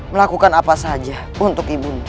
melakukan apa saja untuk ibu